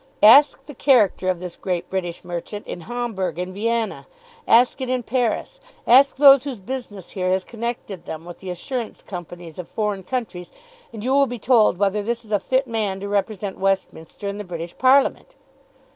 Ask the character of this great British merchant in Hamburg and Vienna; ask it in Paris; ask those whose business here has connected them with the assurance companies of foreign countries, and you will be told whether this is a fit man to represent Westminster in the British parliament!"